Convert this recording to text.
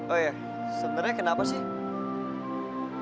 oh ya sebenarnya kenapa saya mau nge join